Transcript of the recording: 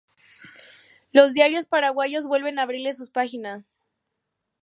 Los diarios paraguayos vuelven a abrirle sus páginas.